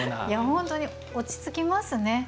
本当に落ち着きますね。